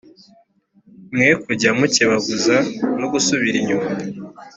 mwe kujya mukebaguza no gusubira inyuma